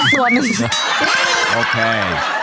ตั้งตัวนึง